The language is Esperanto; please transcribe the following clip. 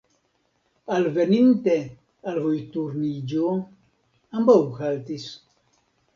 Alveninte al vojturniĝo, ambaŭ haltis.